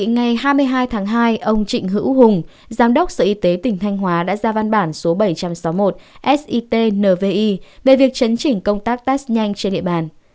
ngày hai mươi hai tháng hai ông trịnh hữu hùng giám đốc sở y tế tỉnh thanh hóa đã ra văn bản số bảy trăm sáu mươi một sit nvi về việc chấn chỉnh công tác test nhanh trên địa bàn